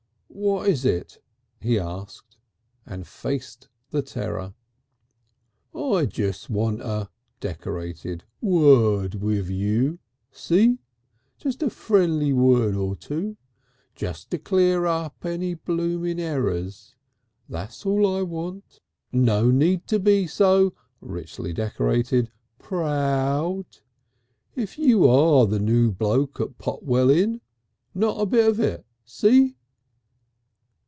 "What is it?" he asked, and faced the terror. "I jest want a (decorated) word wiv you. See? just a friendly word or two. Just to clear up any blooming errors. That's all I want. No need to be so (richly decorated) proud, if you are the noo bloke at Potwell Inn. Not a bit of it. See?"